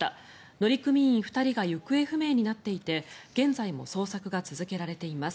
乗組員２人が行方不明になっていて現在も捜索が続けられています。